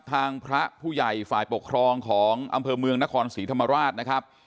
ทางพระผู้ใหญ่ฝ่ายปกครองของอำเภอเมืองนครศรีธรรมราชนะครับ